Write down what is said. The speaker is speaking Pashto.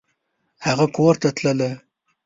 هغه کورته تلله !